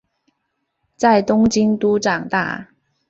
在东京都长大。